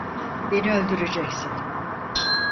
Beni öldüreceksin!